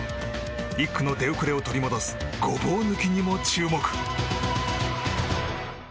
１区の出遅れを取り戻すごぼう抜きにも注目。